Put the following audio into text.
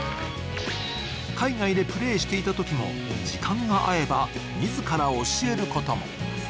海外でプレーしていたときも時間が合えば自ら教えることも。